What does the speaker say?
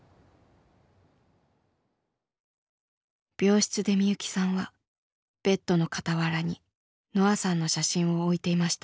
病室でみゆきさんはベッドの傍らにのあさんの写真を置いていました。